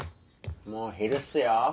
もう昼っすよ。